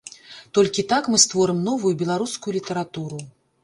Толькі так мы створым новую беларускую літаратуру.